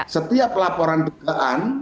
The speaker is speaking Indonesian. setiap laporan dugaan